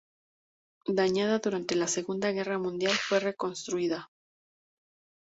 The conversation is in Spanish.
Dañada durante la Segunda Guerra Mundial fue reconstruida.